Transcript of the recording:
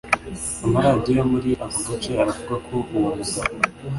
Amaradiyo yo muri ako gace aravuga ko uwo mugabo